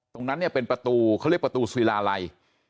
ตรงนั้นเนี่ยเป็นประตูเขาเรียกประตูศิลาลัย